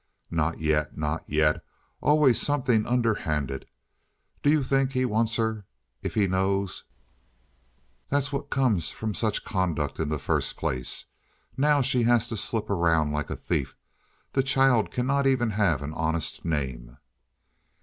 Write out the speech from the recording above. "Not yet, not yet. Always something underhanded. Do you think he wants her if he knows? That's what comes of such conduct in the first place. Now she has to slip around like a thief. The child cannot even have an honest name."